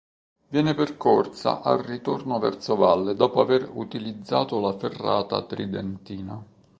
Viene percorsa al ritorno verso valle dopo aver utilizzato la Ferrata Tridentina.